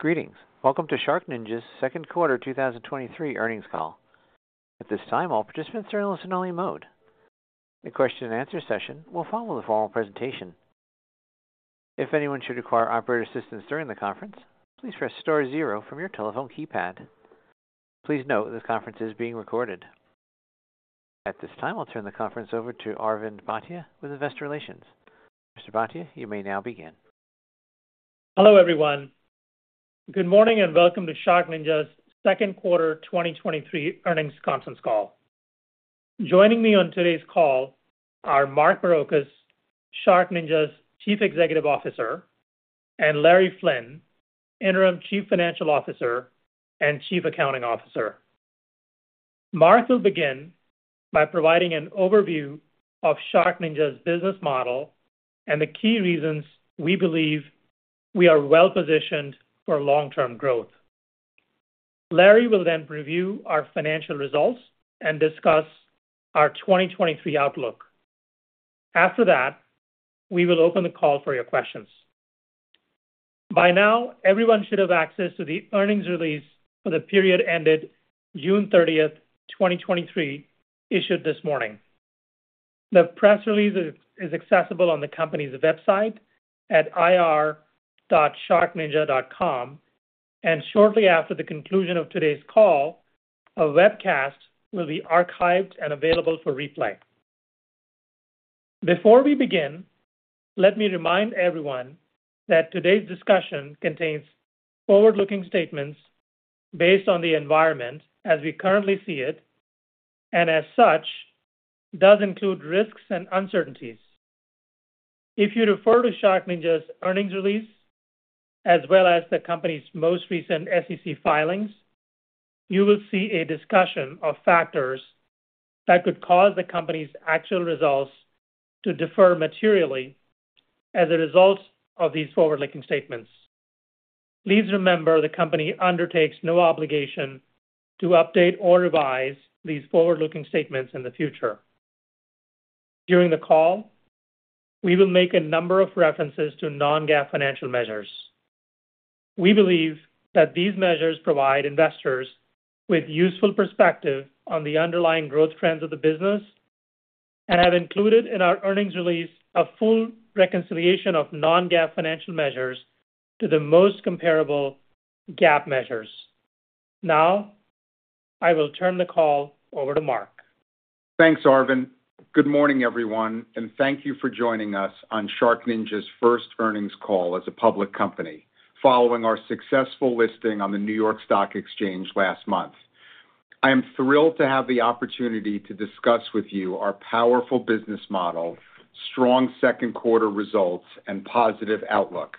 Greetings. Welcome to SharkNinja's Q2 2023 Earnings Call. At this time, all participants are in listen-only mode. A question and answer session will follow the formal presentation. If anyone should require operator assistance during the conference, please press star zero from your telephone keypad. Please note, this conference is being recorded. At this time, I'll turn the conference over to Arvind Bhatia with Investor Relations. Mr. Bhatia, you may now begin. Hello, everyone. Good morning, and welcome to SharkNinja's Q2 2023 Earnings Conference Call. Joining me on today's call are Mark Barrocas, SharkNinja's Chief Executive Officer, and Larry Flynn, Interim Chief Financial Officer and Chief Accounting Officer. Mark will begin by providing an overview of SharkNinja's business model and the key reasons we believe we are well-positioned for long-term growth. Larry will then review our financial results and discuss our 2023 outlook. After that, we will open the call for your questions. By now, everyone should have access to the earnings release for the period ended June 30, 2023, issued this morning. The press release is accessible on the company's website at ir.sharkninja.com, and shortly after the conclusion of today's call, a webcast will be archived and available for replay. Before we begin, let me remind everyone that today's discussion contains forward-looking statements based on the environment as we currently see it, and as such, does include risks and uncertainties. If you refer to SharkNinja's earnings release, as well as the company's most recent SEC filings, you will see a discussion of factors that could cause the company's actual results to differ materially as a result of these forward-looking statements. Please remember, the company undertakes no obligation to update or revise these forward-looking statements in the future. During the call, we will make a number of references to non-GAAP financial measures. We believe that these measures provide investors with useful perspective on the underlying growth trends of the business and have included in our earnings release a full reconciliation of non-GAAP financial measures to the most comparable GAAP measures. Now, I will turn the call over to Mark. Thanks, Arvind. Good morning, everyone, and thank you for joining us on SharkNinja's first earnings call as a public company, following our successful listing on the New York Stock Exchange last month. I am thrilled to have the opportunity to discuss with you our powerful business model, strong Q2 results, and positive outlook.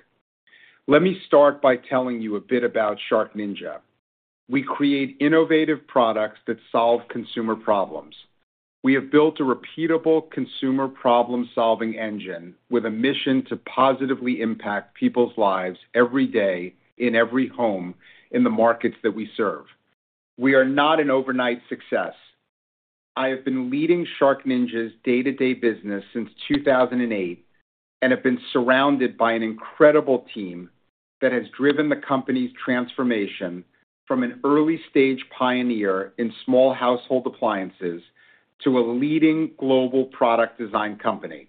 Let me start by telling you a bit about SharkNinja. We create innovative products that solve consumer problems. We have built a repeatable consumer problem-solving engine with a mission to positively impact people's lives every day in every home in the markets that we serve. We are not an overnight success. I have been leading SharkNinja's day-to-day business since 2008 and have been surrounded by an incredible team that has driven the company's transformation from an early-stage pioneer in small household appliances to a leading global product design company.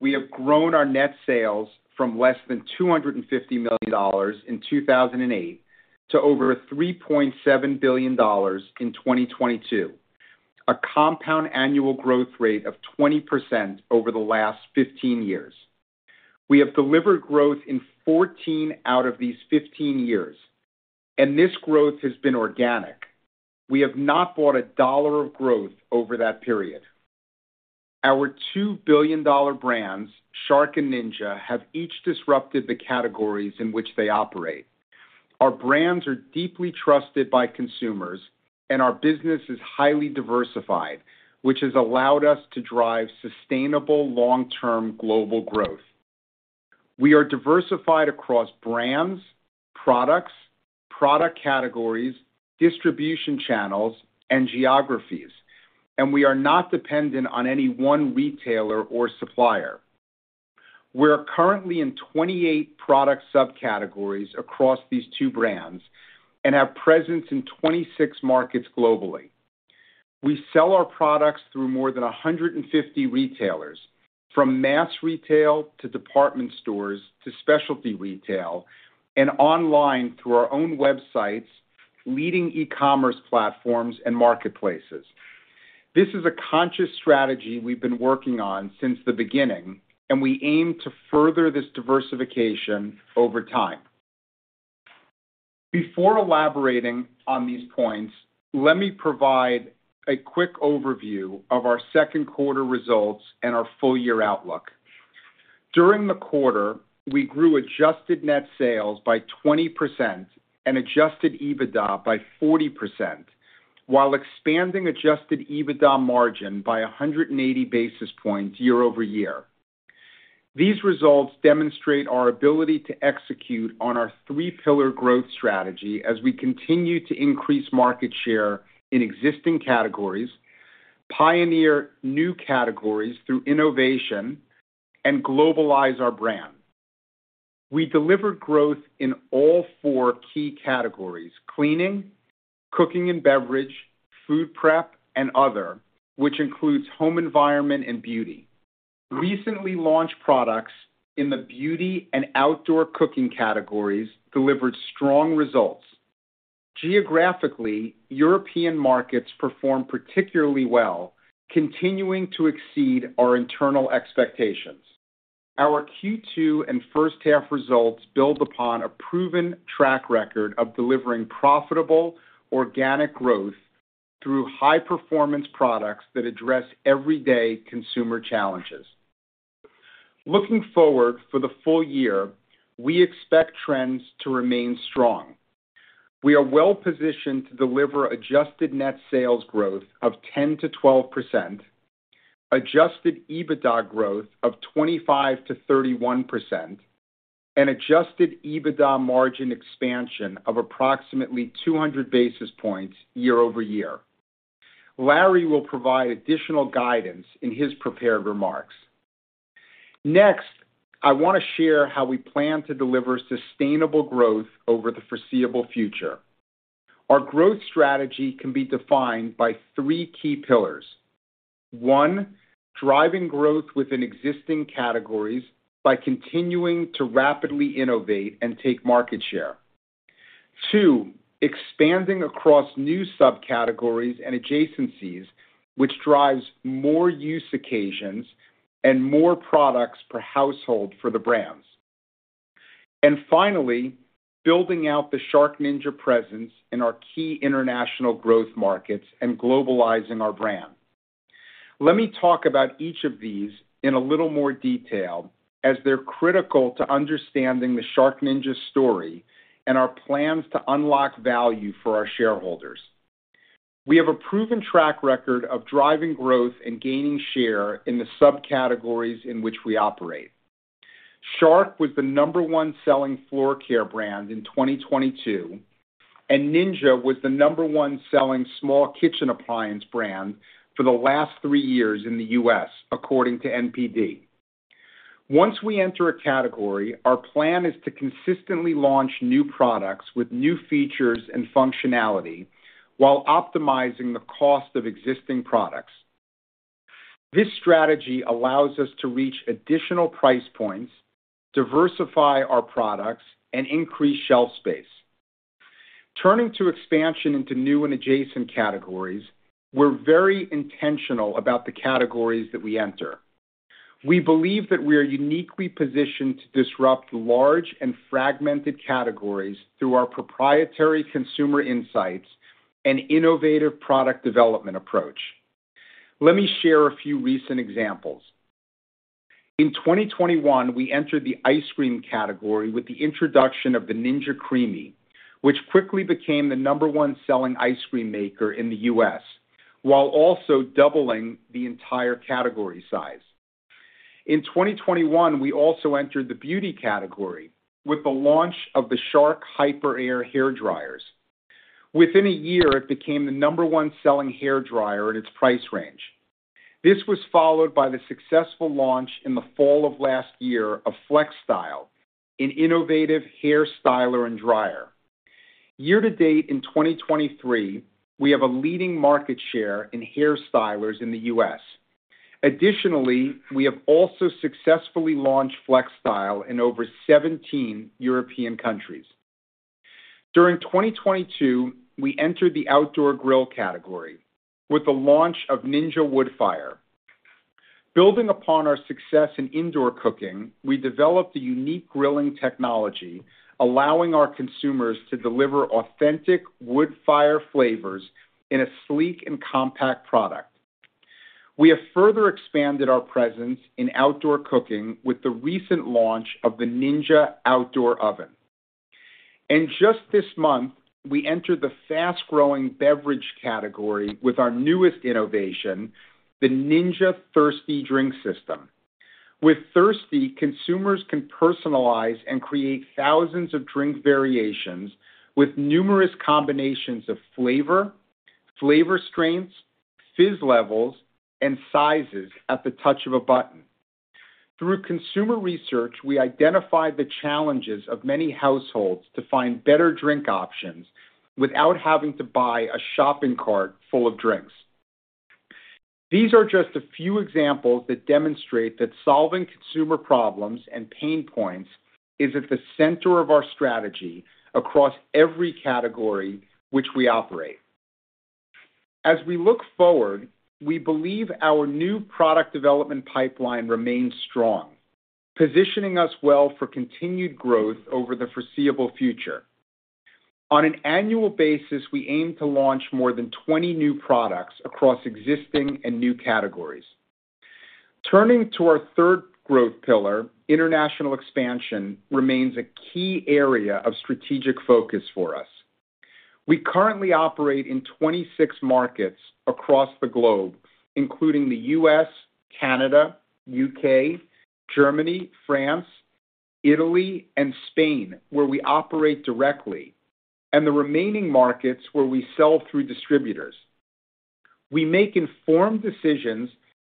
We have grown our net sales from less than $250 million in 2008 to over 3.7 billion in 2022, a compound annual growth rate of 20% over the last 15 years. We have delivered growth in 14 out of these 15 years, and this growth has been organic. We have not bought a dollar of growth over that period. Our $2 billion brands, Shark and Ninja, have each disrupted the categories in which they operate. Our brands are deeply trusted by consumers, and our business is highly diversified, which has allowed us to drive sustainable long-term global growth. We are diversified across brands, products, product categories, distribution channels, and geographies, and we are not dependent on any one retailer or supplier. We're currently in 28 product subcategories across these two brands and have presence in 26 markets globally. We sell our products through more than 150 retailers, from mass retail to department stores to specialty retail and online through our own websites, leading e-commerce platforms, and marketplaces. This is a conscious strategy we've been working on since the beginning, and we aim to further this diversification over time. Before elaborating on these points, let me provide a quick overview of our Q2 results and our full year outlook. During the quarter, we grew adjusted net sales by 20% and Adjusted EBITDA by 40%, while expanding Adjusted EBITDA margin by 180 basis points year-over-year. These results demonstrate our ability to execute on our three pillar growth strategy as we continue to increase market share in existing categories, pioneer new categories through innovation... and globalize our brand. We delivered growth in all four key categories: cleaning, cooking and beverage, food prep, and other, which includes home environment and beauty. Recently launched products in the beauty and outdoor cooking categories delivered strong results. Geographically, European markets performed particularly well, continuing to exceed our internal expectations. Our Q2 and first half results build upon a proven track record of delivering profitable organic growth through high-performance products that address everyday consumer challenges. Looking forward for the full year, we expect trends to remain strong. We are well positioned to deliver adjusted net sales growth of 10%-12%, Adjusted EBITDA growth of 25%-31%, and Adjusted EBITDA margin expansion of approximately 200 basis points year-over-year. Larry will provide additional guidance in his prepared remarks. Next, I want to share how we plan to deliver sustainable growth over the foreseeable future. Our growth strategy can be defined by three key pillars. One, driving growth within existing categories by continuing to rapidly innovate and take market share. Two, expanding across new subcategories and adjacencies, which drives more use occasions and more products per household for the brands. And finally, building out the SharkNinja presence in our key international growth markets and globalizing our brand. Let me talk about each of these in a little more detail, as they're critical to understanding the SharkNinja story and our plans to unlock value for our shareholders. We have a proven track record of driving growth and gaining share in the subcategories in which we operate. Shark was the number one selling floor care brand in 2022, and Ninja was the number one selling small kitchen appliance brand for the last three years in the U.S., according to NPD. Once we enter a category, our plan is to consistently launch new products with new features and functionality while optimizing the cost of existing products. This strategy allows us to reach additional price points, diversify our products, and increase shelf space. Turning to expansion into new and adjacent categories, we're very intentional about the categories that we enter. We believe that we are uniquely positioned to disrupt large and fragmented categories through our proprietary consumer insights and innovative product development approach. Let me share a few recent examples. In 2021, we entered the ice cream category with the introduction of the Ninja CREAMi, which quickly became the number one selling ice cream maker in the U.S., while also doubling the entire category size. In 2021, we also entered the beauty category with the launch of the Shark HyperAIR hair dryers. Within a year, it became the number one selling hair dryer at its price range. This was followed by the successful launch in the fall of last year of FlexStyle, an innovative hair styler and dryer. Year to date, in 2023, we have a leading market share in hair stylers in the U.S. Additionally, we have also successfully launched FlexStyle in over 17 European countries. During 2022, we entered the outdoor grill category with the launch of Ninja Woodfire. Building upon our success in indoor cooking, we developed a unique grilling technology, allowing our consumers to deliver authentic wood fire flavors in a sleek and compact product. We have further expanded our presence in outdoor cooking with the recent launch of the Ninja Outdoor Oven. Just this month, we entered the fast-growing beverage category with our newest innovation, the Ninja Thirsti Drink System. With Thirsti, consumers can personalize and create thousands of drink variations with numerous combinations of flavor, flavor strengths, fizz levels, and sizes at the touch of a button. Through consumer research, we identified the challenges of many households to find better drink options without having to buy a shopping cart full of drinks. These are just a few examples that demonstrate that solving consumer problems and pain points is at the center of our strategy across every category which we operate. As we look forward, we believe our new product development pipeline remains strong, positioning us well for continued growth over the foreseeable future. On an annual basis, we aim to launch more than 20 new products across existing and new categories. Turning to our third growth pillar, international expansion remains a key area of strategic focus for us. We currently operate in 26 markets across the globe, including the U.S., Canada, U.K., Germany, France, Italy, and Spain, where we operate directly, and the remaining markets where we sell through distributors. We make informed decisions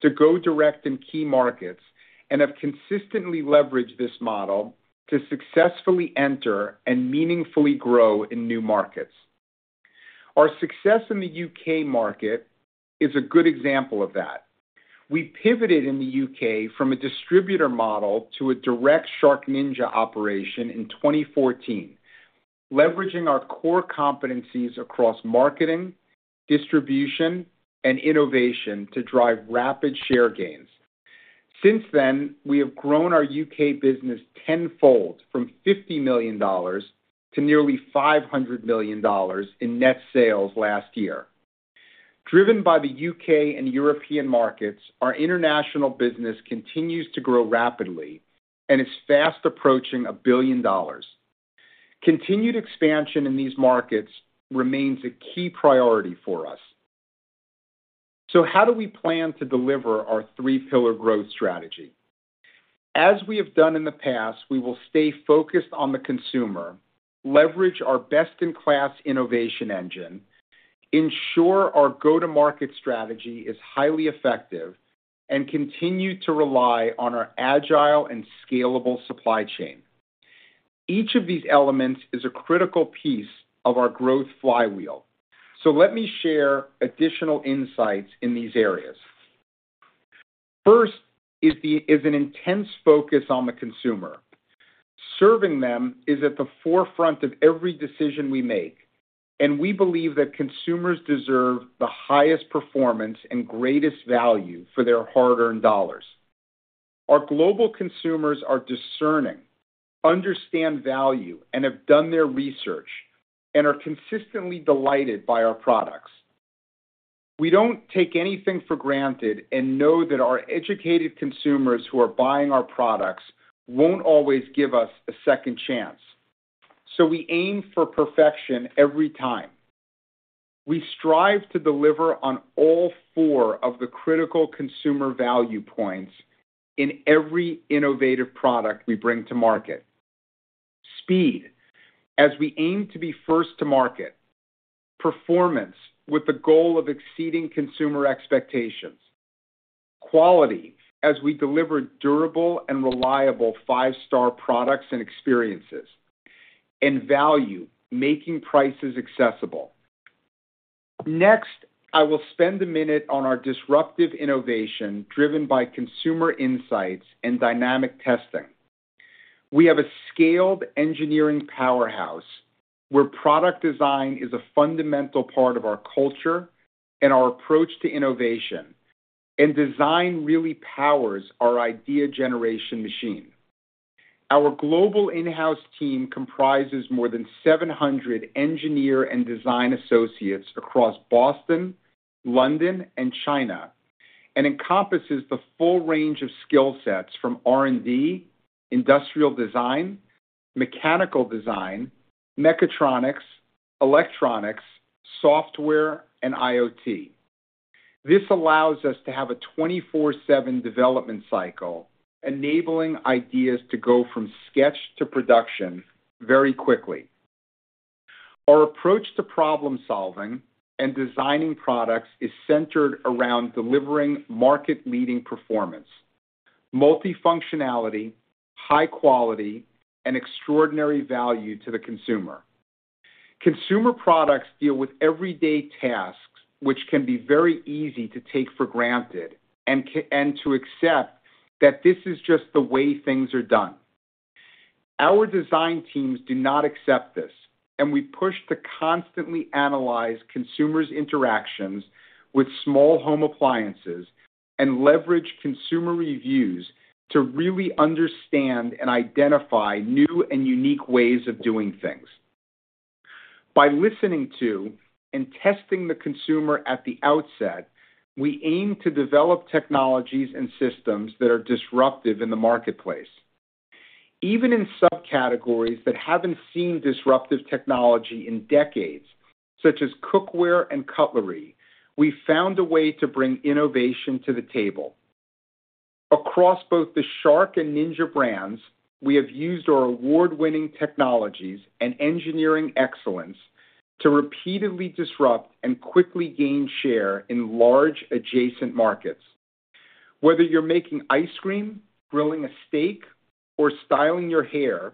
to go direct in key markets and have consistently leveraged this model to successfully enter and meaningfully grow in new markets. Our success in the U.K. market is a good example of that. We pivoted in the U.K. from a distributor model to a direct SharkNinja operation in 2014, leveraging our core competencies across marketing, distribution, and innovation to drive rapid share gains. Since then, we have grown our U.K. business tenfold, from $50 million to nearly 500 million in net sales last year. Driven by the U.K. and European markets, our international business continues to grow rapidly and is fast approaching $1 billion. Continued expansion in these markets remains a key priority for us. So how do we plan to deliver our three pillar growth strategy? As we have done in the past, we will stay focused on the consumer, leverage our best-in-class innovation engine, ensure our go-to-market strategy is highly effective, and continue to rely on our agile and scalable supply chain. Each of these elements is a critical piece of our growth flywheel, so let me share additional insights in these areas. First is an intense focus on the consumer. Serving them is at the forefront of every decision we make, and we believe that consumers deserve the highest performance and greatest value for their hard-earned dollars. Our global consumers are discerning, understand value, and have done their research and are consistently delighted by our products. We don't take anything for granted and know that our educated consumers who are buying our products won't always give us a second chance, so we aim for perfection every time. We strive to deliver on all four of the critical consumer value points in every innovative product we bring to market. Speed, as we aim to be first to market. Performance, with the goal of exceeding consumer expectations. Quality, as we deliver durable and reliable five-star products and experiences. And value, making prices accessible. Next, I will spend a minute on our disruptive innovation, driven by consumer insights and dynamic testing. We have a scaled engineering powerhouse, where product design is a fundamental part of our culture and our approach to innovation, and design really powers our idea generation machine. Our global in-house team comprises more than 700 engineer and design associates across Boston, London, and China, and encompasses the full range of skill sets from R&D, industrial design, mechanical design, Mechatronics, electronics, software, and IoT. This allows us to have a 24/7 development cycle, enabling ideas to go from sketch to production very quickly. Our approach to problem-solving and designing products is centered around delivering market-leading performance, multifunctionality, high quality, and extraordinary value to the consumer. Consumer products deal with everyday tasks, which can be very easy to take for granted and to accept that this is just the way things are done. Our design teams do not accept this, and we push to constantly analyze consumers' interactions with small home appliances and leverage consumer reviews to really understand and identify new and unique ways of doing things. By listening to and testing the consumer at the outset, we aim to develop technologies and systems that are disruptive in the marketplace. Even in subcategories that haven't seen disruptive technology in decades, such as cookware and cutlery, we found a way to bring innovation to the table. Across both the Shark and Ninja brands, we have used our award-winning technologies and engineering excellence to repeatedly disrupt and quickly gain share in large adjacent markets. Whether you're making ice cream, grilling a steak, or styling your hair,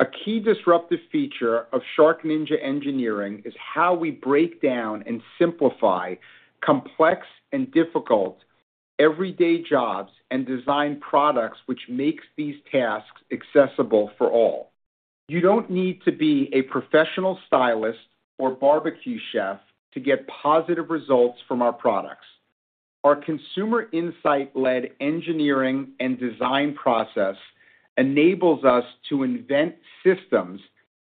a key disruptive feature of SharkNinja engineering is how we break down and simplify complex and difficult everyday jobs and design products which makes these tasks accessible for all. You don't need to be a professional stylist or barbecue chef to get positive results from our products. Our consumer insight-led engineering and design process enables us to invent systems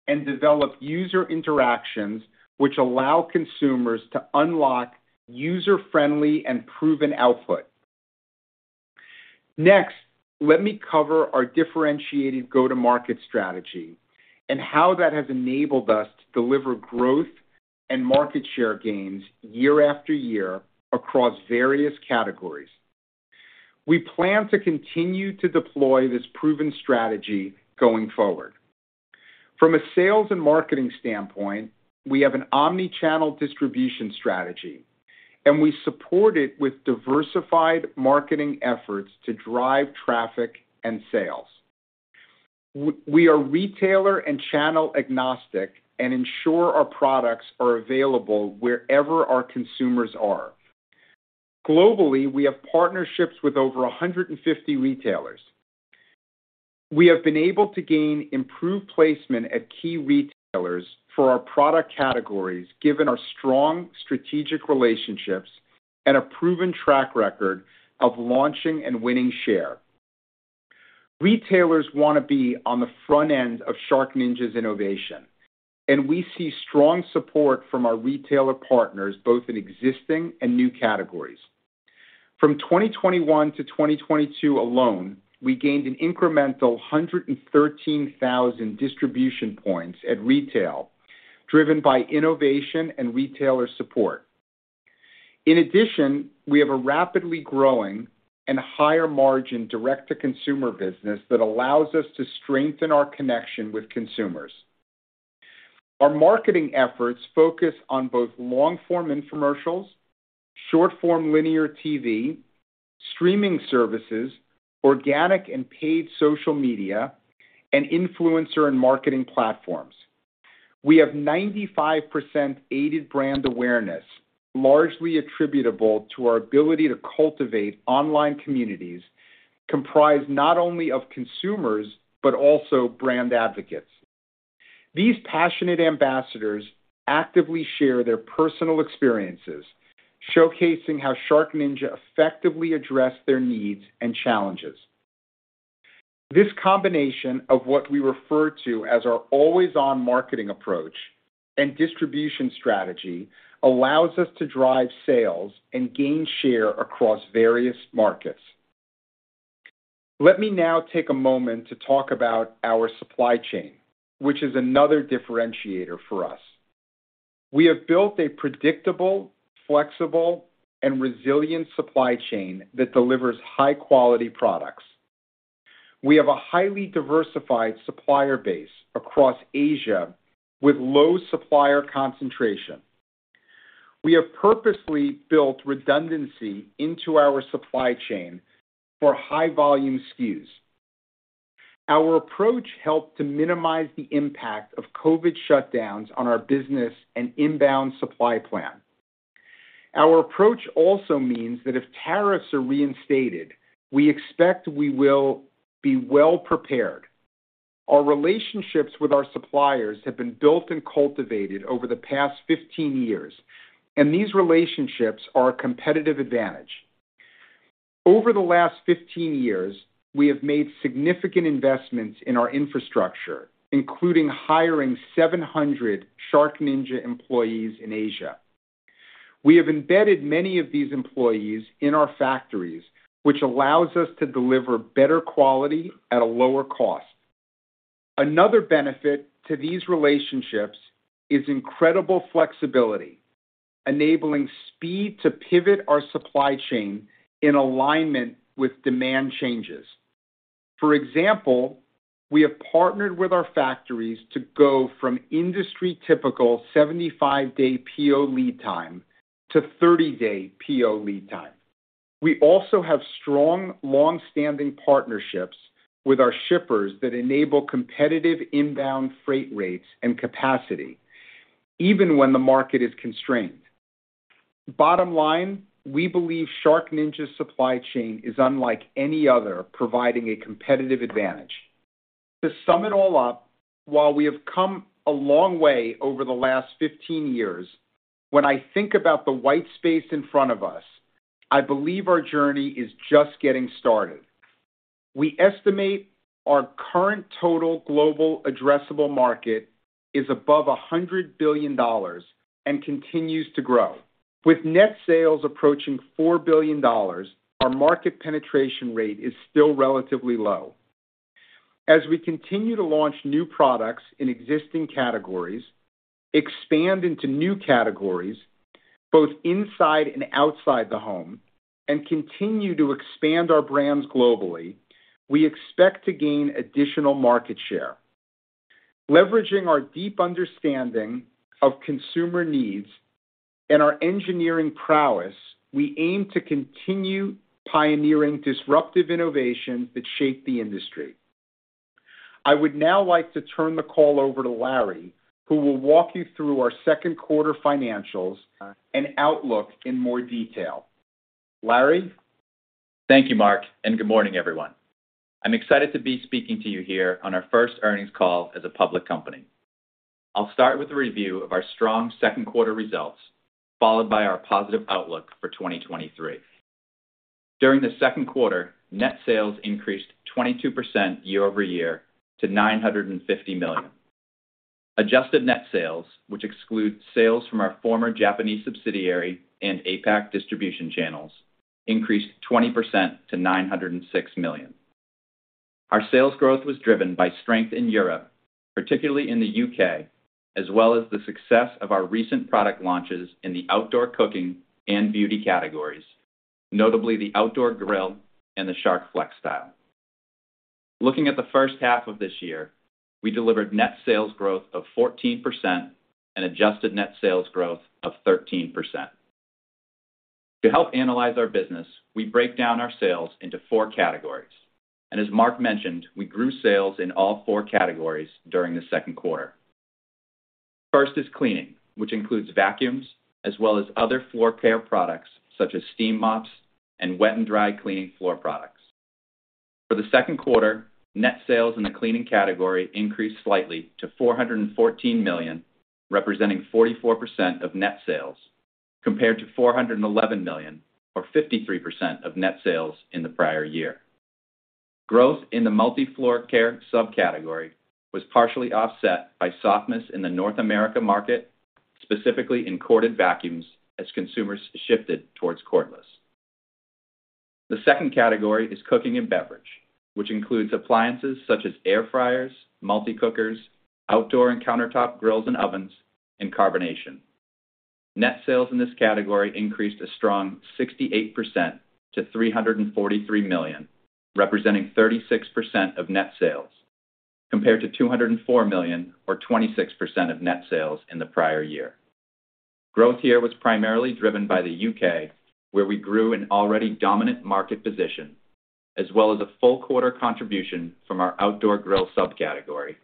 and develop user interactions which allow consumers to unlock user-friendly and proven output. Next, let me cover our differentiated go-to-market strategy and how that has enabled us to deliver growth and market share gains year after year across various categories. We plan to continue to deploy this proven strategy going forward. From a sales and marketing standpoint, we have an Omni-channel distribution strategy, and we support it with diversified marketing efforts to drive traffic and sales. We are retailer and channel agnostic and ensure our products are available wherever our consumers are. Globally, we have partnerships with over 150 retailers. We have been able to gain improved placement at key retailers for our product categories, given our strong strategic relationships and a proven track record of launching and winning share. Retailers want to be on the front end of SharkNinja's innovation, and we see strong support from our retailer partners, both in existing and new categories. From 2021 to 2022 alone, we gained an incremental 113,000 distribution points at retail, driven by innovation and retailer support. In addition, we have a rapidly growing and higher margin direct-to-consumer business that allows us to strengthen our connection with consumers. Our marketing efforts focus on both long-form infomercials, short-form linear TV, streaming services, organic and paid social media, and influencer and marketing platforms. We have 95% aided brand awareness, largely attributable to our ability to cultivate online communities comprised not only of consumers, but also brand advocates. These passionate ambassadors actively share their personal experiences, showcasing how SharkNinja effectively addressed their needs and challenges. This combination of what we refer to as our always-on marketing approach and distribution strategy allows us to drive sales and gain share across various markets. Let me now take a moment to talk about our supply chain, which is another differentiator for us. We have built a predictable, flexible, and resilient supply chain that delivers high-quality products. We have a highly diversified supplier base across Asia, with low supplier concentration. We have purposely built redundancy into our supply chain for high-volume SKUs. Our approach helped to minimize the impact of COVID shutdowns on our business and inbound supply plan. Our approach also means that if tariffs are reinstated, we expect we will be well prepared. Our relationships with our suppliers have been built and cultivated over the past 15 years, and these relationships are a competitive advantage. Over the last 15 years, we have made significant investments in our infrastructure, including hiring 700 SharkNinja employees in Asia. We have embedded many of these employees in our factories, which allows us to deliver better quality at a lower cost. Another benefit to these relationships is incredible flexibility, enabling speed to pivot our supply chain in alignment with demand changes. For example, we have partnered with our factories to go from industry-typical 75-day PO lead time to 30-day PO lead time. We also have strong, long-standing partnerships with our shippers that enable competitive inbound freight rates and capacity even when the market is constrained. Bottom line, we believe SharkNinja's supply chain is unlike any other, providing a competitive advantage. To sum it all up, while we have come a long way over the last 15 years, when I think about the white space in front of us, I believe our journey is just getting started. We estimate our current total global addressable market is above $100 billion and continues to grow. With net sales approaching $4 billion, our market penetration rate is still relatively low. As we continue to launch new products in existing categories, expand into new categories, both inside and outside the home, and continue to expand our brands globally, we expect to gain additional market share. Leveraging our deep understanding of consumer needs and our engineering prowess, we aim to continue pioneering disruptive innovation that shape the industry. I would now like to turn the call over to Larry, who will walk you through our Q2 financials and outlook in more detail. Larry? Thank you, Mark, and good morning, everyone. I'm excited to be speaking to you here on our first earnings call as a public company. I'll start with a review of our strong Q2 results, followed by our positive outlook for 2023. During Q2, net sales increased 22% year-over-year to $950 million. Adjusted net sales, which excludes sales from our former Japanese subsidiary and APAC distribution channels, increased 20% to $906 million. Our sales growth was driven by strength in Europe, particularly in the U.K., as well as the success of our recent product launches in the outdoor cooking and beauty categories.... Notably, the outdoor grill and the Shark FlexStyle. Looking at the first half of this year, we delivered net sales growth of 14% and adjusted net sales growth of 13%. To help analyze our business, we break down our sales into four categories, and as Mark mentioned, we grew sales in all four categories during Q2. First is cleaning, which includes vacuums as well as other floor care products such as steam mops and wet and dry cleaning floor products. For Q2, net sales in the cleaning category increased slightly to $414, representing 44% of net sales, compared to 411 million, or 53% of net sales in the prior year. Growth in the multi-floor care subcategory was partially offset by softness in the North America market, specifically in corded vacuums, as consumers shifted towards cordless. The second category is cooking and beverage, which includes appliances such as air fryers, multi cookers, outdoor and countertop grills and ovens, and carbonation. Net sales in this category increased a strong 68% to $343 representing 36% of net sales, compared to 204 million, or 26% of net sales in the prior year. Growth here was primarily driven by the U.K., where we grew an already dominant market position, as well as a full quarter contribution from our outdoor grill subcategory,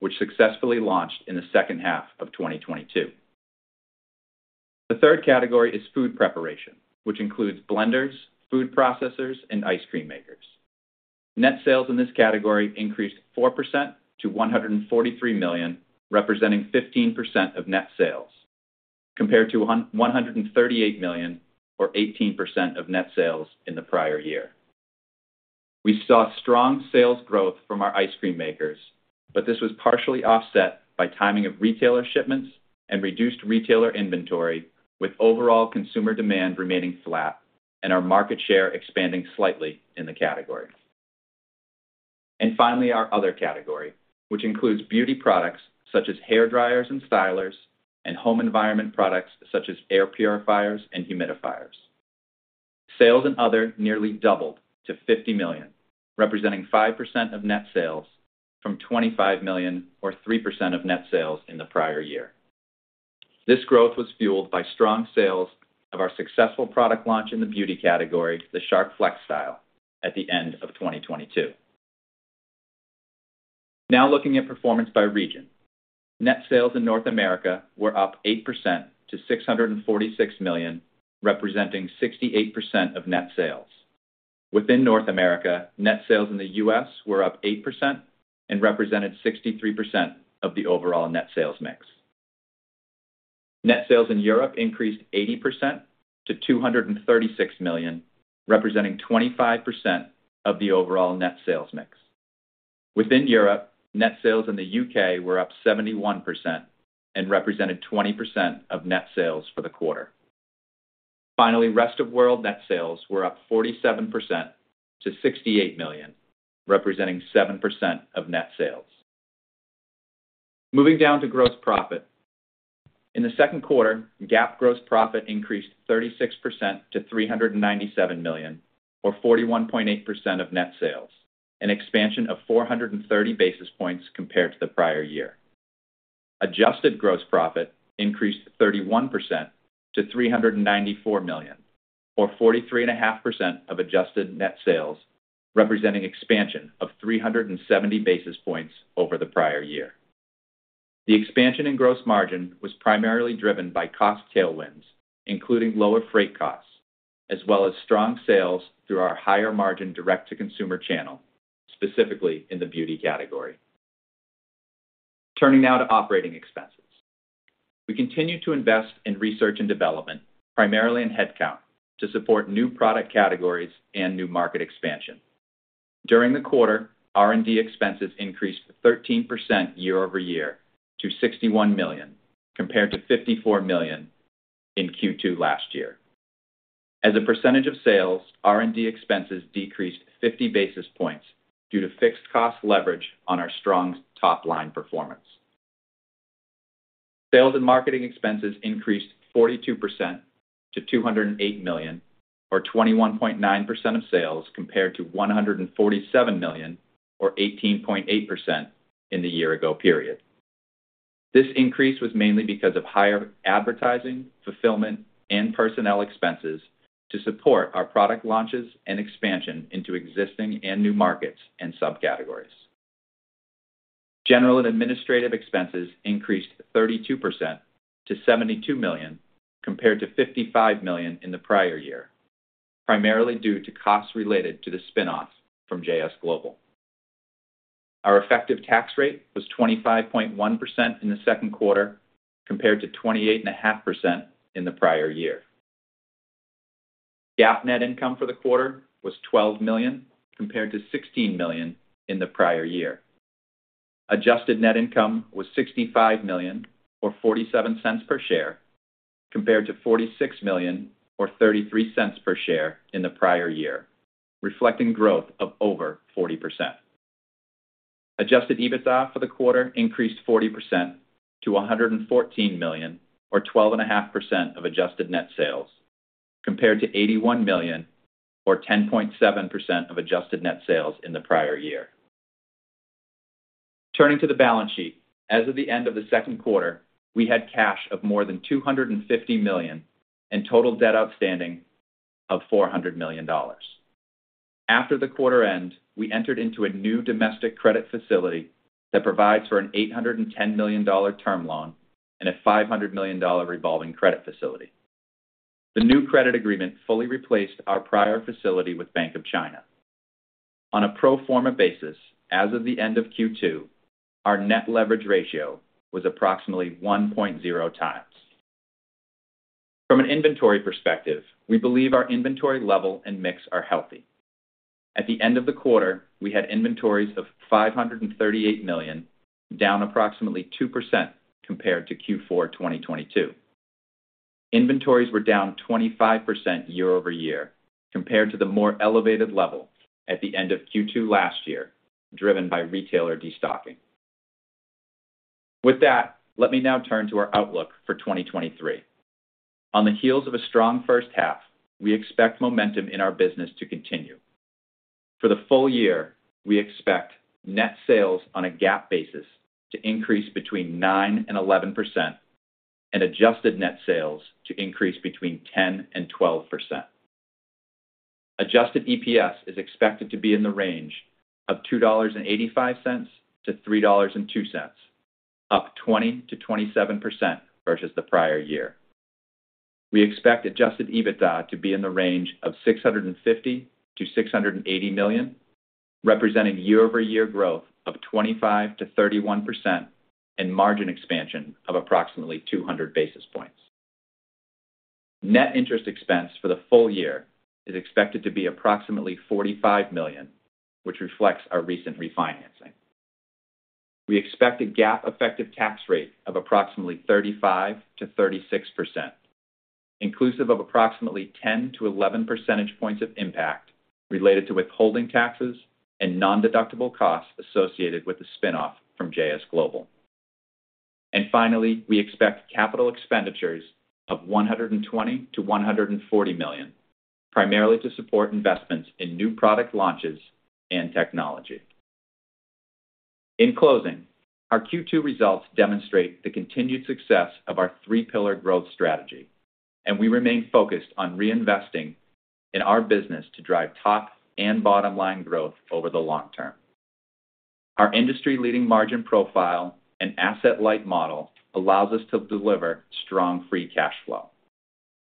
which successfully launched in the second half of 2022. The third category is food preparation, which includes blenders, food processors, and ice cream makers. Net sales in this category increased 4% to $143 representing 15% of net sales, compared to 138 million, or 18% of net sales in the prior year. We saw strong sales growth from our ice cream makers, but this was partially offset by timing of retailer shipments and reduced retailer inventory, with overall consumer demand remaining flat and our market share expanding slightly in the category. Finally, our other category, which includes beauty products such as hair dryers and stylers and home environment products such as air purifiers and humidifiers. Sales in other nearly doubled to $50 million, representing 5% of net sales, from $25 million, or 3% of net sales in the prior year. This growth was fueled by strong sales of our successful product launch in the beauty category, the Shark FlexStyle, at the end of 2022. Now looking at performance by region. Net sales in North America were up 8% to $646 million, representing 68% of net sales. Within North America, net sales in the U.S. were up 8% and represented 63% of the overall net sales mix. Net sales in Europe increased 80% to $236 million, representing 25% of the overall net sales mix. Within Europe, net sales in the U.K. were up 71% and represented 20% of net sales for the quarter. Finally, rest of world net sales were up 47% to $68 million, representing 7% of net sales. Moving down to gross profit. In Q2, GAAP gross profit increased 36% to $397 million, or 41.8% of net sales, an expansion of 430 basis points compared to the prior year. Adjusted gross profit increased 31% to $394 million, or 43.5% of adjusted net sales, representing expansion of 370 basis points over the prior year. The expansion in gross margin was primarily driven by cost tailwinds, including lower freight costs, as well as strong sales through our higher margin direct-to-consumer channel, specifically in the beauty category. Turning now to operating expenses. We continue to invest in research and development, primarily in headcount, to support new product categories and new market expansion. During the quarter, R&D expenses increased 13% year-over-year to $61 compared to 54 million in Q2 last year. As a percentage of sales, R&D expenses decreased 50 basis points due to fixed cost leverage on our strong top-line performance. Sales and marketing expenses increased 42% to $208 or 21.9% of sales, compared to 147 million, or 18.8% in the year ago period. This increase was mainly because of higher advertising, fulfillment, and personnel expenses to support our product launches and expansion into existing and new markets and subcategories. General and administrative expenses increased 32% to $72 compared to 55 million in the prior year, primarily due to costs related to the spin-offs from JS Global. Our effective tax rate was 25.1% in Q2, compared to 28.5% in the prior year. GAAP net income for the quarter was $12 million, compared to $16 million in the prior year. Adjusted net income was $65 million, or 0.47 per share, compared to $46 million, or 0.33 per share in the prior year, reflecting growth of over 40%....Adjusted EBITDA for the quarter increased 40% to $114 million, or 12.5% of adjusted net sales, compared to $81 million, or 10.7% of adjusted net sales in the prior year. Turning to the balance sheet, as of the end of Q2, we had cash of more than $250 million and total debt outstanding of $400 million. After the quarter end, we entered into a new domestic credit facility that provides for an $810 million term loan and a $500 million revolving credit facility. The new credit agreement fully replaced our prior facility with Bank of China. On a pro forma basis, as of the end of Q2, our net leverage ratio was approximately 1.0x. From an inventory perspective, we believe our inventory level and mix are healthy. At the end of the quarter, we had inventories of $538 million, down approximately 2% compared to Q4 2022. Inventories were down 25% year-over-year, compared to the more elevated level at the end of Q2 last year, driven by retailer destocking. With that, let me now turn to our outlook for 2023. On the heels of a strong first half, we expect momentum in our business to continue. For the full year, we expect net sales on a GAAP basis to increase between 9% and 11% and adjusted net sales to increase between 10% and 12%. Adjusted EPS is expected to be in the range of $2.85-3.02, up 20%-27% versus the prior year. We expect Adjusted EBITDA to be in the range of $650-680 million, representing year-over-year growth of 25%-31% and margin expansion of approximately 200 basis points. Net interest expense for the full year is expected to be approximately $45 million, which reflects our recent refinancing. We expect a GAAP effective tax rate of approximately 35%-36%, inclusive of approximately 10-11 percentage points of impact related to withholding taxes and nondeductible costs associated with the spin-off from JS Global. And finally, we expect capital expenditures of $120-140 million, primarily to support investments in new product launches and technology. In closing, our Q2 results demonstrate the continued success of our three-pillar growth strategy, and we remain focused on reinvesting in our business to drive top and bottom line growth over the long term. Our industry-leading margin profile and asset-light model allows us to deliver strong free cash flow.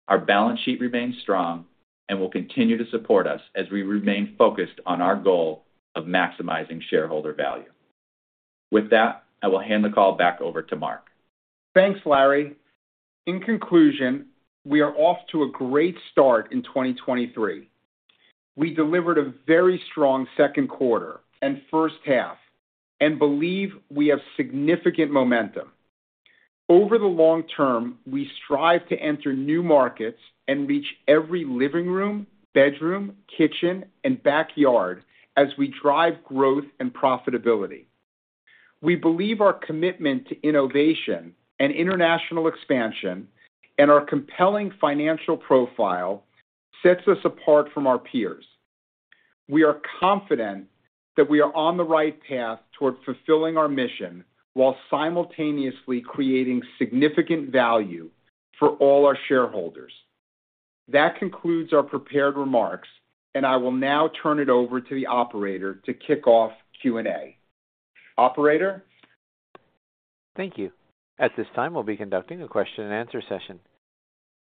Our balance sheet remains strong and will continue to support us as we remain focused on our goal of maximizing shareholder value. With that, I will hand the call back over to Mark. Thanks, Larry. In conclusion, we are off to a great start in 2023. We delivered a very strong Q2 and first half and believe we have significant momentum. Over the long term, we strive to enter new markets and reach every living room, bedroom, kitchen, and backyard as we drive growth and profitability. We believe our commitment to innovation and international expansion and our compelling financial profile sets us apart from our peers. We are confident that we are on the right path toward fulfilling our mission while simultaneously creating significant value for all our shareholders. That concludes our prepared remarks, and I will now turn it over to the operator to kick off Q&A. Operator? Thank you. At this time, we'll be conducting a question-and-answer session.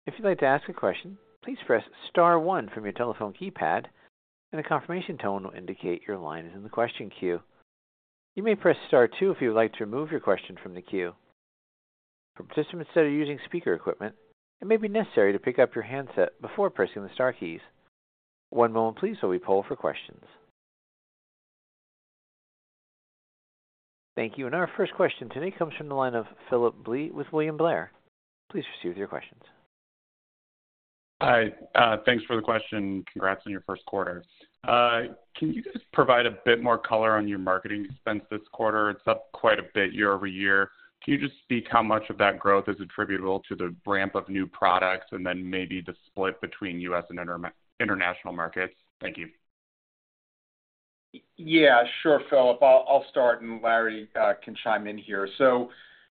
If you'd like to ask a question, please press star one from your telephone keypad, and a confirmation tone will indicate your line is in the question queue. You may press star two if you would like to remove your question from the queue. For participants that are using speaker equipment, it may be necessary to pick up your handset before pressing the star keys. One moment please, while we poll for questions. Thank you. Our first question today comes from the line of Phillip Blee with William Blair. Please proceed with your questions. Hi, thanks for the question, and congrats on your Q1. Can you just provide a bit more color on your marketing expense this quarter? It's up quite a bit year-over-year. Can you just speak how much of that growth is attributable to the ramp of new products and then maybe the split between U.S. and international markets? Thank you. Yeah, sure, Phillip. I'll start, and Larry can chime in here. So,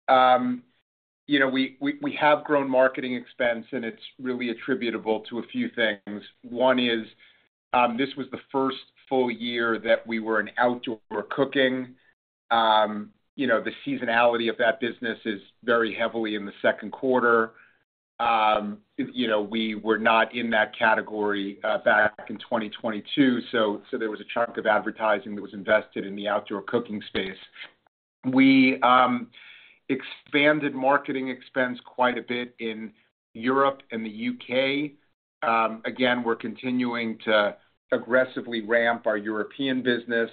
you know, we have grown marketing expense, and it's really attributable to a few things. One is, this was the first full year that we were in outdoor cooking. You know, the seasonality of that business is very heavily in Q2. You know, we were not in that category back in 2022, so there was a chunk of advertising that was invested in the outdoor cooking space. We expanded marketing expense quite a bit in Europe and the U.K.. Again, we're continuing to aggressively ramp our European business.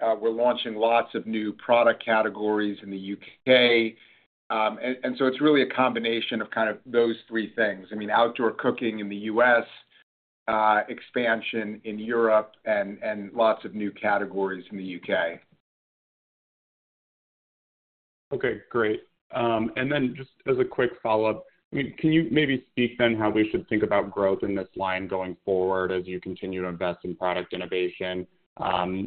We're launching lots of new product categories in the U.K.. And so it's really a combination of kind of those three things. I mean, outdoor cooking in the U.S.-... Expansion in Europe and lots of new categories in the U.K.. Okay, great. And then just as a quick follow-up, I mean, can you maybe speak then how we should think about growth in this line going forward as you continue to invest in product innovation,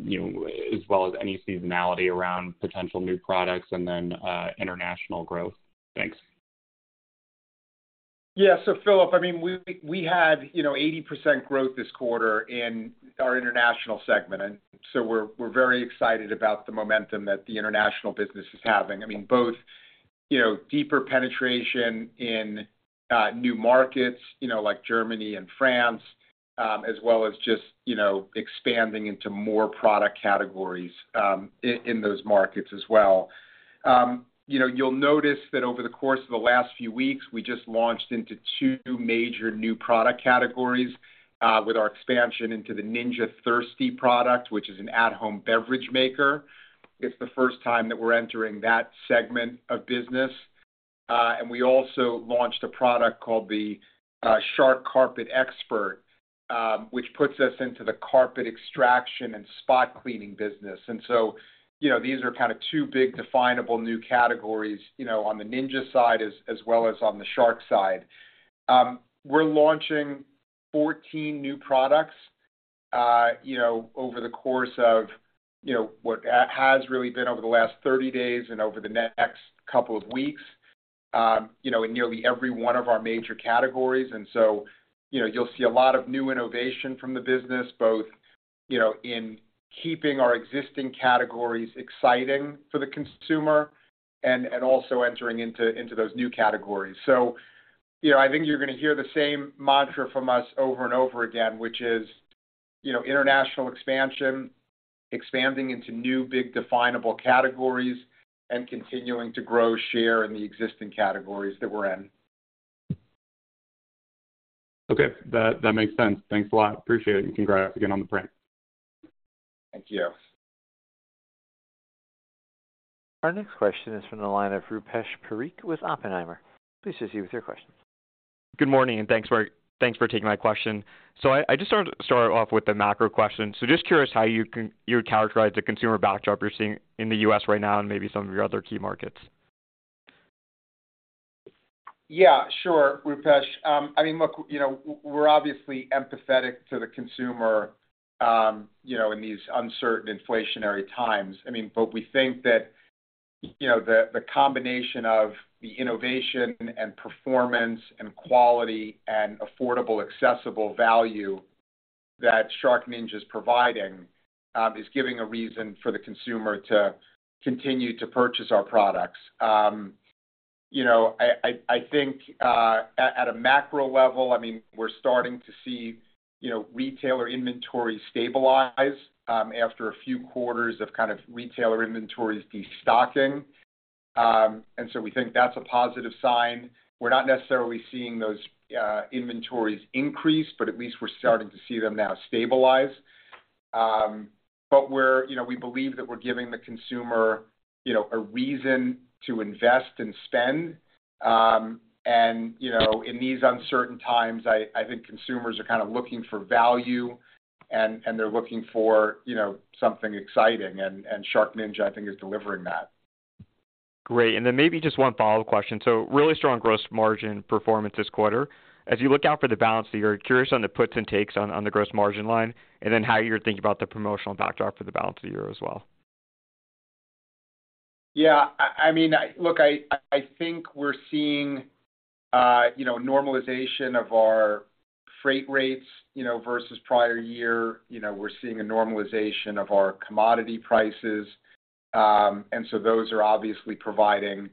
you know, as well as any seasonality around potential new products and then international growth? Thanks. Yeah. So Phillip, I mean, we had, you know, 80% growth this quarter in our international segment, and so we're very excited about the momentum that the international business is having. I mean, both, you know, deeper penetration in new markets, you know, like Germany and France, as well as just, you know, expanding into more product categories, in those markets as well. You know, you'll notice that over the course of the last few weeks, we just launched into two major new product categories, with our expansion into the Ninja Thirsti product, which is an at-home beverage maker. It's the first time that we're entering that segment of business. And we also launched a product called the Shark CarpetXpert, which puts us into the carpet extraction and spot cleaning business. And so, you know, these are kind of two big definable new categories, you know, on the Ninja side as well as on the Shark side. We're launching 14 new products, you know, over the course of, you know, what has really been over the last 30 days and over the next couple of weeks, you know, in nearly every one of our major categories. And so, you know, you'll see a lot of new innovation from the business, both, you know, in keeping our existing categories exciting for the consumer and also entering into those new categories. So, you know, I think you're gonna hear the same mantra from us over and over again, which is, you know, international expansion, expanding into new big definable categories, and continuing to grow share in the existing categories that we're in. Okay, that makes sense. Thanks a lot. Appreciate it, and congrats again on the print. Thank you. Our next question is from the line of Rupesh Parikh with Oppenheimer. Please proceed with your question. Good morning, and thanks for taking my question. So I just wanted to start off with the macro question. So just curious how you would characterize the consumer backdrop you're seeing in the U.S. right now, and maybe some of your other key markets? Yeah, sure, Rupesh. I mean, look, you know, we're obviously empathetic to the consumer, you know, in these uncertain inflationary times. I mean, but we think that, you know, the, the combination of the innovation and performance and quality and affordable, accessible value that SharkNinja is providing, is giving a reason for the consumer to continue to purchase our products. You know, I think, at, at a macro level, I mean, we're starting to see, you know, retailer inventories stabilize, after a few quarters of kind of retailer inventories destocking. And so we think that's a positive sign. We're not necessarily seeing those, inventories increase, but at least we're starting to see them now stabilize. But we're you know, we believe that we're giving the consumer, you know, a reason to invest and spend. You know, in these uncertain times, I think consumers are kind of looking for value and they're looking for, you know, something exciting, and SharkNinja, I think, is delivering that. Great. And then maybe just one follow-up question. So really strong gross margin performance this quarter. As you look out for the balance of the year, curious on the puts and takes on the gross margin line, and then how you're thinking about the promotional backdrop for the balance of the year as well? Yeah, I mean, Look, I think we're seeing, you know, normalization of our freight rates, you know, versus prior year. You know, we're seeing a normalization of our commodity prices. And so those are obviously providing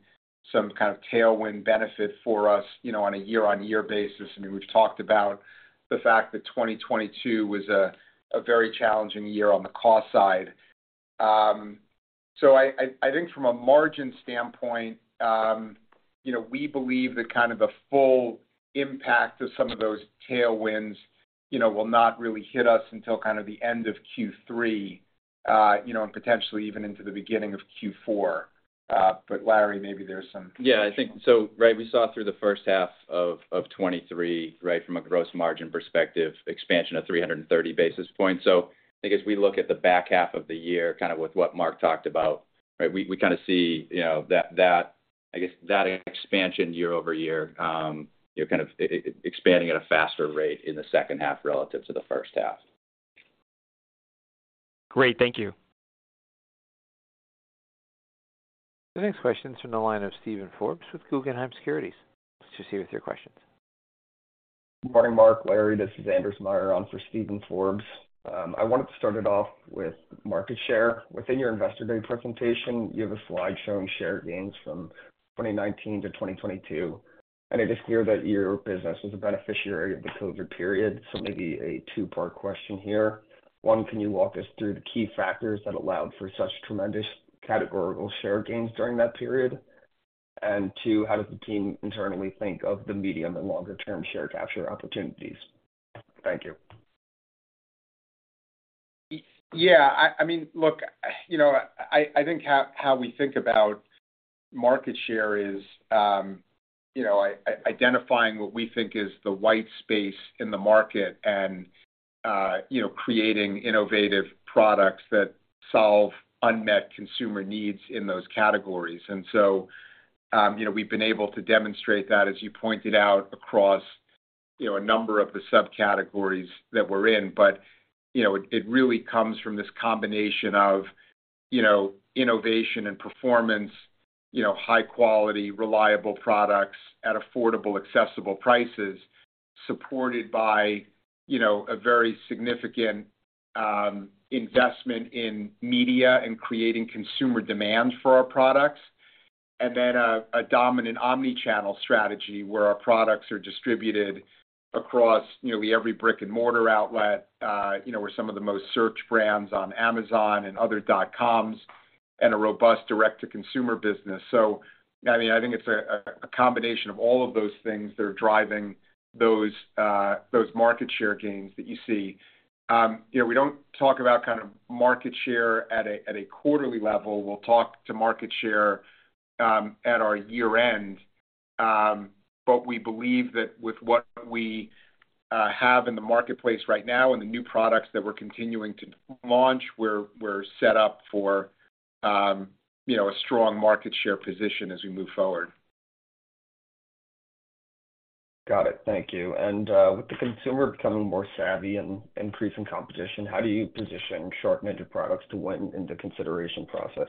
some kind of tailwind benefit for us, you know, on a year-on-year basis. I mean, we've talked about the fact that 2022 was a very challenging year on the cost side. So I think from a margin standpoint, you know, we believe that kind of the full impact of some of those tailwinds, you know, will not really hit us until kind of the end of Q3, you know, and potentially even into the beginning of Q4. But Larry, maybe there's some- Yeah, I think so, right? We saw through the first half of 2023, right, from a gross margin perspective, expansion of 330 basis points. So I think as we look at the back half of the year, kind of with what Mark talked about, right, we kinda see, you know, that, I guess, that expansion year-over-year, you know, kind of expanding at a faster rate in the second half relative to the first half. Great. Thank you. The next question is from the line of Steven Forbes with Guggenheim Securities. Please proceed with your questions. Good morning, Mark, Larry. This is Anders Meyer on for Steven Forbes. I wanted to start it off with market share. Within your Investor Day presentation, you have a slide showing share gains from 2019 to 2022, and it is clear that your business was a beneficiary of the COVID period. So maybe a two-part question here. One, can you walk us through the key factors that allowed for such tremendous categorical share gains during that period? And two, how does the team internally think of the medium- and longer-term share capture opportunities? Thank you. ... Yeah, I, I mean, look, you know, I, I think how, how we think about market share is, you know, identifying what we think is the white space in the market and, you know, creating innovative products that solve unmet consumer needs in those categories. And so, you know, we've been able to demonstrate that, as you pointed out, across, you know, a number of the subcategories that we're in. But, you know, it, it really comes from this combination of, you know, innovation and performance, you know, high quality, reliable products at affordable, accessible prices, supported by, you know, a very significant investment in media and creating consumer demand for our products. And then, a dominant omni-channel strategy, where our products are distributed across nearly every brick-and-mortar outlet, you know, we're some of the most searched brands on Amazon and other dotcoms, and a robust direct-to-consumer business. So, I mean, I think it's a combination of all of those things that are driving those, those market share gains that you see. You know, we don't talk about kind of market share at a quarterly level. We'll talk to market share at our year-end. But we believe that with what we have in the marketplace right now, and the new products that we're continuing to launch, we're, we're set up for, you know, a strong market share position as we move forward. Got it. Thank you. With the consumer becoming more savvy and increasing competition, how do you position SharkNinja products to win in the consideration process?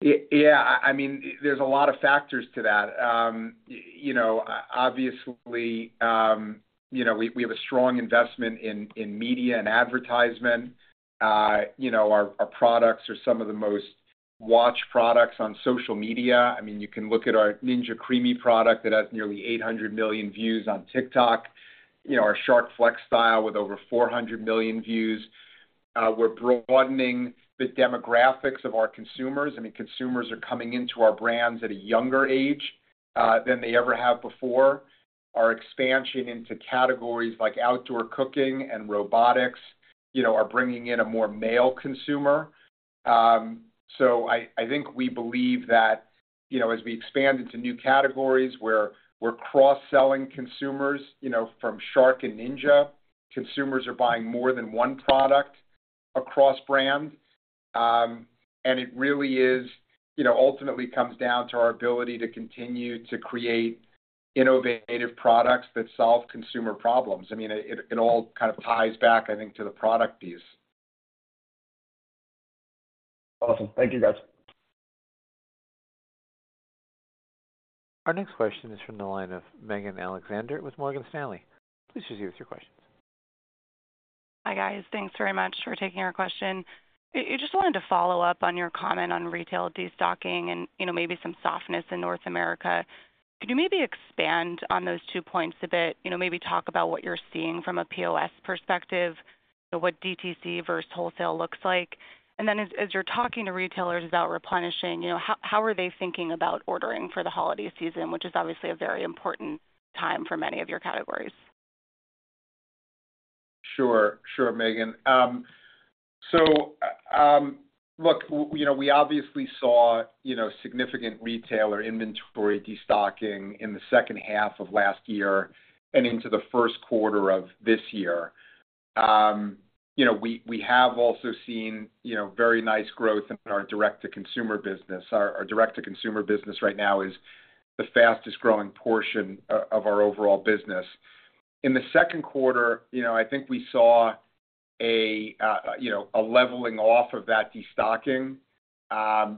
Yeah, I mean, there's a lot of factors to that. You know, obviously, you know, we have a strong investment in media and advertisement. You know, our products are some of the most watched products on social media. I mean, you can look at our Ninja CREAMi product that has nearly 800 million views on TikTok. You know, our Shark FlexStyle with over 400 million views. We're broadening the demographics of our consumers. I mean, consumers are coming into our brands at a younger age than they ever have before. Our expansion into categories like outdoor cooking and robotics, you know, are bringing in a more male consumer. So I think we believe that, you know, as we expand into new categories, where we're cross-selling consumers, you know, from Shark and Ninja, consumers are buying more than one product across brands. And it really is. You know, ultimately comes down to our ability to continue to create innovative products that solve consumer problems. I mean, it all kind of ties back, I think, to the product piece. Awesome. Thank you, guys. Our next question is from the line of Megan Alexander with Morgan Stanley. Please proceed with your questions. Hi, guys. Thanks very much for taking our question. I just wanted to follow up on your comment on retail destocking and, you know, maybe some softness in North America. Could you maybe expand on those two points a bit? You know, maybe talk about what you're seeing from a POS perspective, so what DTC versus wholesale looks like. And then as you're talking to retailers about replenishing, you know, how are they thinking about ordering for the holiday season, which is obviously a very important time for many of your categories? Sure. Sure, Megan. So, look, you know, we obviously saw, you know, significant retailer inventory destocking in the second half of last year and into the Q1 of this year. You know, we have also seen, you know, very nice growth in our direct-to-consumer business. Our direct-to-consumer business right now is the fastest growing portion of our overall business. In Q2, you know, I think we saw a you know, a leveling off of that destocking,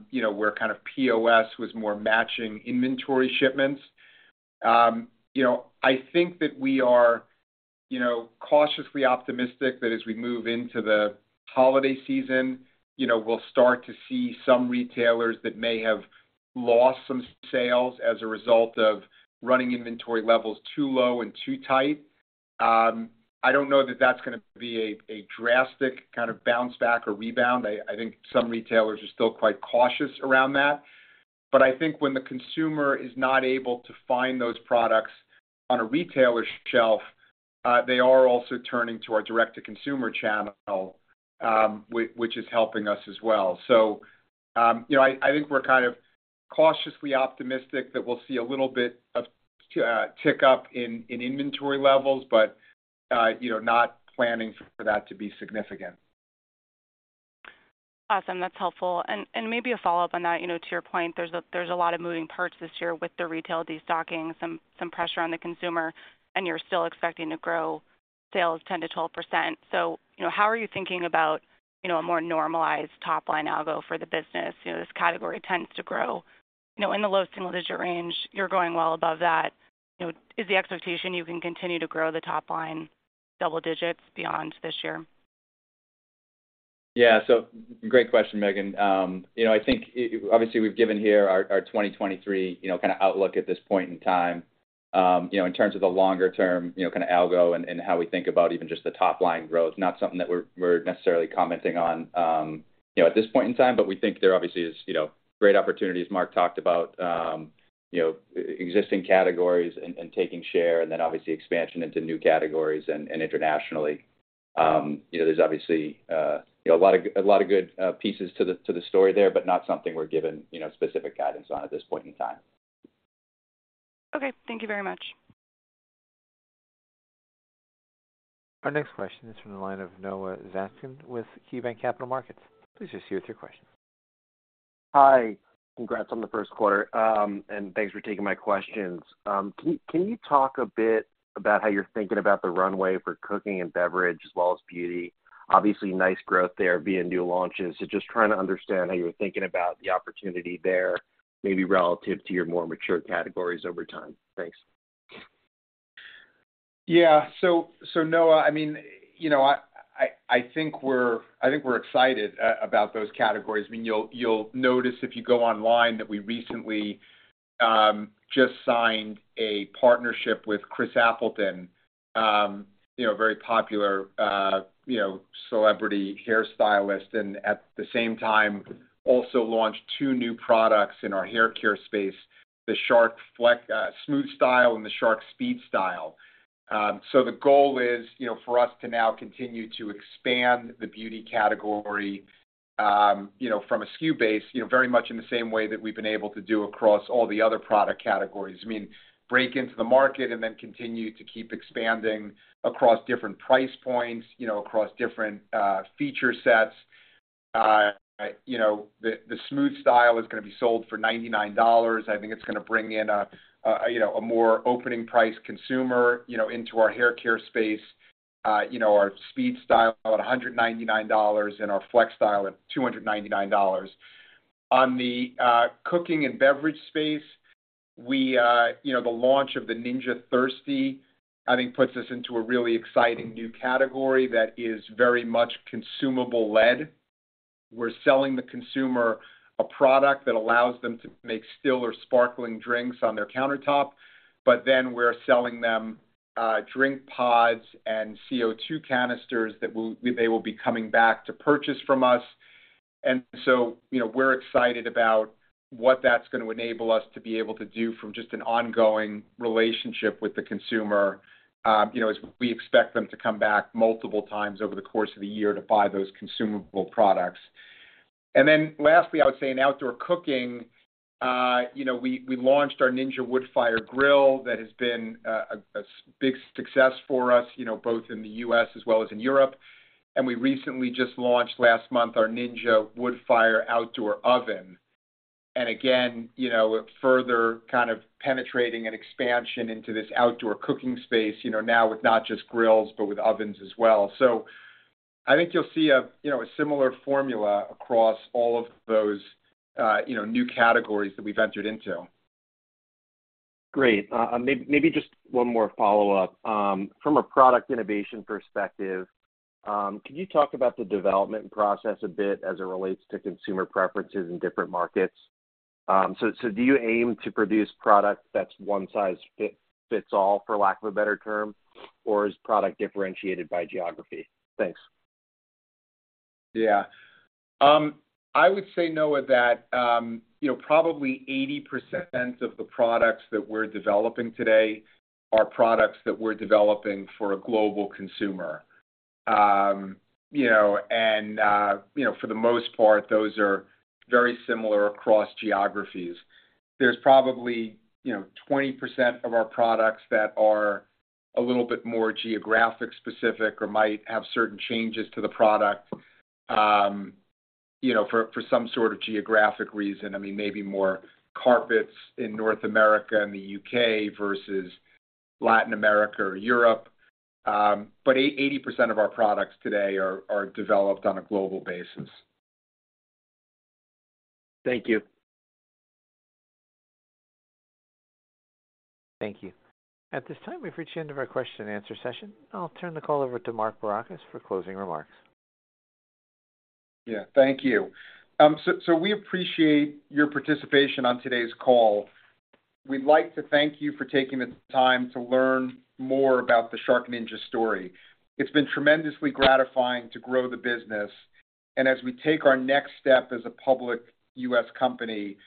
you know, where kind of POS was more matching inventory shipments. You know, I think that we are, you know, cautiously optimistic that as we move into the holiday season, you know, we'll start to see some retailers that may have lost some sales as a result of running inventory levels too low and too tight. I don't know that that's gonna be a drastic kind of bounce back or rebound. I think some retailers are still quite cautious around that. But I think when the consumer is not able to find those products on a retailer's shelf, they are also turning to our direct-to-consumer channel, which is helping us as well. So, you know, I think we're kind of cautiously optimistic that we'll see a little bit of a tick up in inventory levels, but you know, not planning for that to be significant. Awesome. That's helpful. And, and maybe a follow-up on that. You know, to your point, there's a, there's a lot of moving parts this year with the retail destocking, some, some pressure on the consumer, and you're still expecting to grow sales 10%-12%. So, you know, how are you thinking about, you know, a more normalized top-line algo for the business? You know, this category tends to grow, you know, in the low single-digit range. You're growing well above that. You know, is the expectation you can continue to grow the top line double digits beyond this year? Yeah. So great question, Megan. You know, I think, obviously, we've given here our 2023, you know, kind of outlook at this point in time. You know, in terms of the longer term, you know, kind of algo and how we think about even just the top-line growth, not something that we're necessarily commenting on, you know, at this point in time. But we think there obviously is, you know, great opportunities. Mark talked about, you know, existing categories and taking share and then obviously expansion into new categories and internationally. You know, there's obviously, you know, a lot of good pieces to the story there, but not something we're giving, you know, specific guidance on at this point in time. Okay. Thank you very much. Our next question is from the line of Noah Zatzkin with KeyBanc Capital Markets. Please proceed with your question. Hi, congrats on the Q1, and thanks for taking my questions. Can you, can you talk a bit about how you're thinking about the runway for cooking and beverage as well as beauty? Obviously, nice growth there via new launches. So just trying to understand how you're thinking about the opportunity there, maybe relative to your more mature categories over time. Thanks. Yeah, so, Noah, I mean, you know, I think we're excited about those categories. I mean, you'll notice if you go online, that we recently just signed a partnership with Chris Appleton, you know, a very popular, you know, celebrity hairstylist. And at the same time, also launched two new products in our hair care space, the Shark FlexStyle and the Shark SpeedStyle. So the goal is, you know, for us to now continue to expand the beauty category, you know, from a SKU base, you know, very much in the same way that we've been able to do across all the other product categories. I mean, break into the market and then continue to keep expanding across different price points, you know, across different feature sets. You know, the SmoothStyle is gonna be sold for $99. I think it's gonna bring in a you know, a more opening price consumer, you know, into our hair care space. You know, our SpeedStyle at $199 and our FlexStyle at $299. On the cooking and beverage space, we you know, the launch of the Ninja Thirsti, I think, puts us into a really exciting new category that is very much consumable-led. We're selling the consumer a product that allows them to make still or sparkling drinks on their countertop, but then we're selling them drink pods and CO2 canisters that will they will be coming back to purchase from us. And so, you know, we're excited about what that's gonna enable us to be able to do from just an ongoing relationship with the consumer. You know, as we expect them to come back multiple times over the course of the year to buy those consumable products. And then lastly, I would say in outdoor cooking, you know, we launched our Ninja Woodfire Grill. That has been a big success for us, you know, both in the U.S. as well as in Europe. And we recently just launched last month our Ninja Woodfire Outdoor Oven. And again, you know, further kind of penetrating and expansion into this outdoor cooking space, you know, now with not just grills, but with ovens as well. So I think you'll see a, you know, a similar formula across all of those, you know, new categories that we've entered into. Great. Maybe, maybe just one more follow-up. From a product innovation perspective, can you talk about the development process a bit as it relates to consumer preferences in different markets? So, so do you aim to produce products that's one-size-fits-all, for lack of a better term, or is product differentiated by geography? Thanks. Yeah. I would say, Noah, that, you know, probably 80% of the products that we're developing today are products that we're developing for a global consumer. You know, and, you know, for the most part, those are very similar across geographies. There's probably, you know, 20% of our products that are a little bit more geographic specific or might have certain changes to the product, you know, for, for some sort of geographic reason. I mean, maybe more carpets in North America and the U.K. versus Latin America or Europe. But 80% of our products today are developed on a global basis. Thank you. Thank you. At this time, we've reached the end of our question and answer session. I'll turn the call over to Mark Barrocas for closing remarks. Yeah, thank you. So we appreciate your participation on today's call. We'd like to thank you for taking the time to learn more about the SharkNinja story. It's been tremendously gratifying to grow the business, and as we take our next step as a public U.S. company,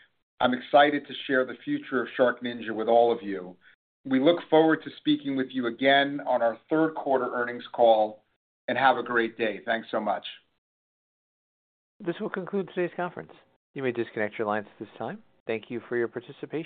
I'm excited to share the future of SharkNinja with all of you. We look forward to speaking with you again on our third quarter earnings call, and have a great day. Thanks so much. This will conclude today's conference. You may disconnect your lines at this time. Thank you for your participation.